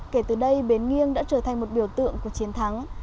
kể từ đây bến nghiêng đã trở thành một biểu tượng của chiến thắng